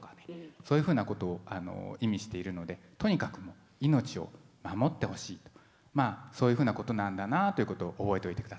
そういうふうなことを意味しているのでそういうふうなことなんだなということを覚えておいて下さい。